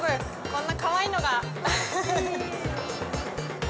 こんなかわいいのが、フフフフ。